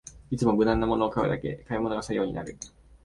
いつも無難なものを買うだけで買い物が作業になる